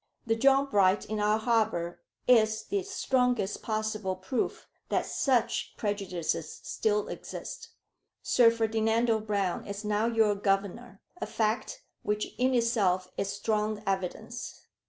The John Bright in our harbour is the strongest possible proof that such prejudices still exist. Sir Ferdinando Brown is now your Governor, a fact which in itself is strong evidence.